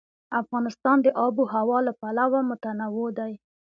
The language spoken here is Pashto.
افغانستان د آب وهوا له پلوه متنوع دی.